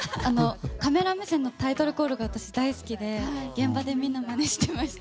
カメラ目線のタイトルコールが私、大好きで現場でみんなまねしてました。